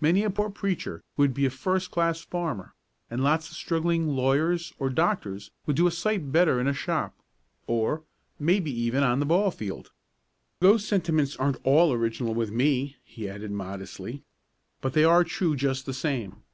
Many a poor preacher would be a first class farmer, and lots of struggling lawyers or doctors would do a sight better in a shop, or, maybe even on the ball field. Those sentiments aren't at all original with me," he added modestly; "but they are true just the same.